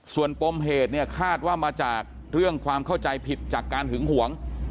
ส่วนปมเหตุเนี่ยคาดว่ามาจากเรื่องความเข้าใจผิดจากการหึงหวง